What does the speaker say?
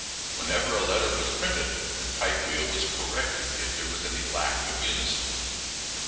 Whenever a letter was printed the type wheel was corrected if there was any lack of unison.